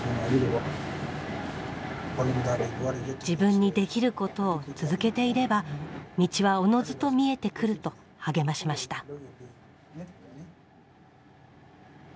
自分にできることを続けていれば道はおのずと見えてくると励ましました。